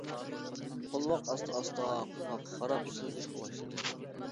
قولۋاق ئاستا-ئاستا قىرغاققا قاراپ سىلجىشقا باشلىدى.